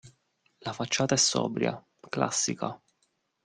La facciata è sobria, classica.